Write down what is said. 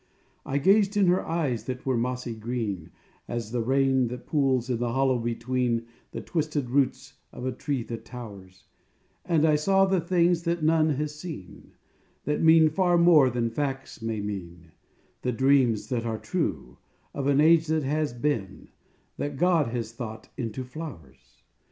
I gazed in her eyes, that were mossy green As the rain that pools in the hollow between The twisted roots of a tree that towers; And I saw the things that none has seen, That mean far more than facts may mean, The dreams, that are true, of an age that has been, That God has thought into flowers.